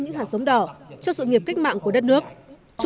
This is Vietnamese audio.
những hạt giống đỏ cho sự nghiệp cách mạng của đất nước